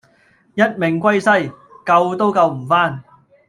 一命歸西，救都救唔返